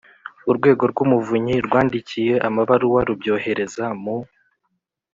Urwego rw Umuvunyi rwandikiye amabaruwa rubyohereza mu